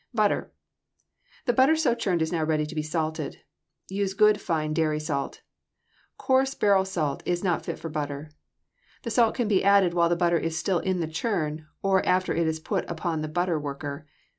=Butter.= The butter so churned is now ready to be salted. Use good fine dairy salt. Coarse barrel salt is not fit for butter. The salt can be added while the butter is still in the churn or after it is put upon the butter worker.